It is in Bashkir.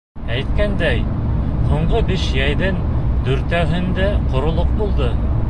Әйткәндәй, һуңғы биш йәйҙең дүртәүһендә ҡоролоҡ булды.